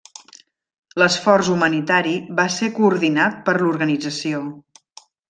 L'esforç humanitari va ser coordinat per l'organització.